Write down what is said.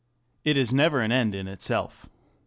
It is never an end in itself.